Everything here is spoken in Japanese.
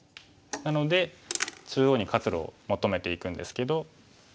なので中央に活路を求めていくんですけど。